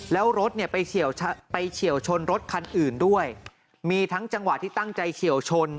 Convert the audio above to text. แล้วรถเนี่ยไปเฉียวชนรถคันอื่นด้วยมีทั้งจังหวะที่ตั้งใจเฉียวชน